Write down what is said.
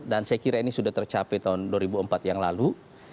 dan saya kira ini sudah tercapai tahun dua ribu empat yang lalu